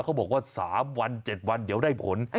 เขาบอกว่า๓วัน๗วันเดี๋ยวได้ผล